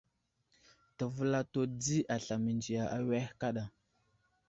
Təvəlato di aslam mənziya awehe kaɗa.